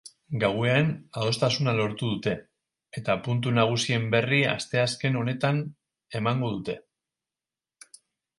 Gauean adostasuna lortu dute, eta puntu nagusien berri asteazken honetan emango dute.